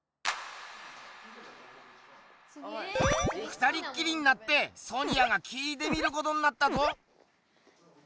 ふたりっきりになってソニアが聞いてみることになったぞ。